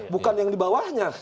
bukan yang di bawahnya